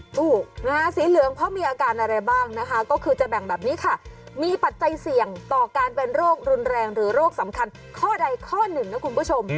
ถูกนะฮะสีเหลืองเพราะมีอาการอะไรบ้างนะคะก็คือจะแบ่งแบบนี้ค่ะมีปัจจัยเสี่ยงต่อการเป็นโรครุนแรงหรือโรคสำคัญข้อใดข้อหนึ่งนะคุณผู้ชม